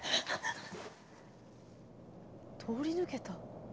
通り抜けた。